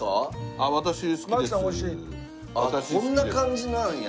あっこんな感じなんや。